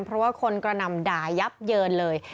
เพราะว่าคนกระหน่ำด่ายับเยินเลย